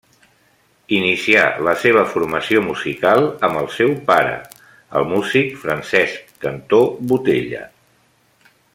Inicià la seva formació musical amb el seu pare, el músic Francesc Cantó Botella.